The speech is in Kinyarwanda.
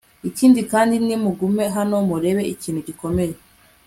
ikindi kandi, nimugume hano murebe ikintu gikomeye